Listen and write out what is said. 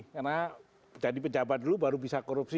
karena jadi pejabat dulu baru bisa korupsi